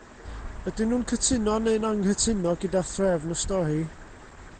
Ydyn nhw'n cytuno neu'n anghytuno gyda threfn y stori?